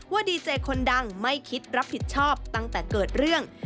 ดีเจคนดังไม่คิดรับผิดชอบตั้งแต่เกิดเรื่อง